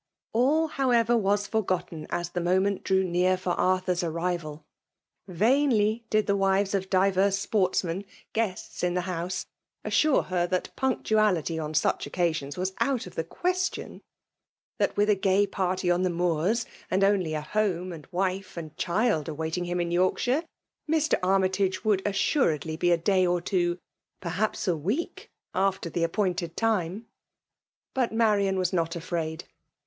All, however, was forgotten as the moment drew near for A^rthur s arrival !— ^Vainly did the wives of divers sportsmen, guests in the bouse, assure her that punctuality on such oc* casions was out of the question ; that with a gay party on the Moors and only a home and wife and child awaiting him in Yorkshiro, Mr. Armytage would assuredly be a day or two, perhaps a week, aft^ the appointed time. But PSMALE DOMINATION* 279 Marian was not afraid.